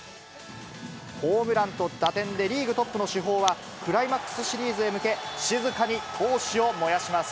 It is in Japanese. ホームランと打点でリーグトップの主砲は、クライマックスシリーズへ向け、静かに闘志を燃やします。